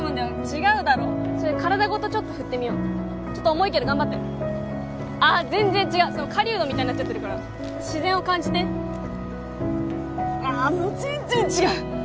違うだろそれ体ごとちょっと振ってみようちょっと重いけど頑張ってああ全然違う狩人みたいになっちゃってるから自然を感じてあもう全然違う！